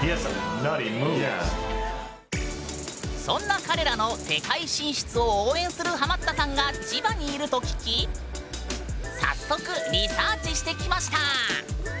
そんな彼らの世界進出を応援するハマったさんが千葉にいると聞き早速リサーチしてきました。